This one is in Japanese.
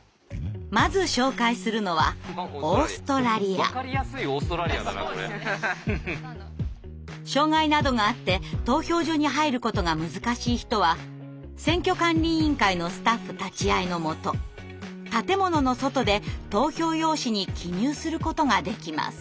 まず紹介するのは障害などがあって投票所に入ることが難しい人は選挙管理委員会のスタッフ立ち会いのもと建物の外で投票用紙に記入することができます。